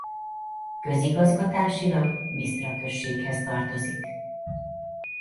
Közigazgatásilag Bisztra községhez tartozik.